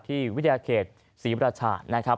วิทยาเขตศรีราชานะครับ